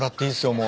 もう。